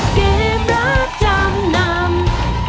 เกมรับจำนำ